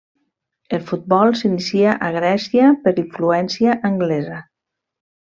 El futbol s'inicia a Grècia per influència anglesa.